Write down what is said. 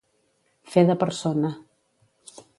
Fer de persona.